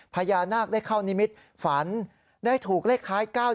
พญานาคได้เข้านิมิตรฝันได้ถูกเลขท้าย๙๗